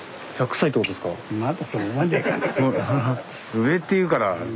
「上」って言うから。